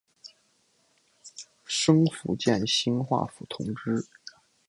升福建兴化府同知。